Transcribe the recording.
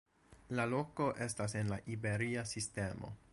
La loko estas en la Iberia Sistemo.